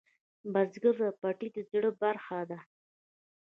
بزګر ته پټی د زړۀ برخه ده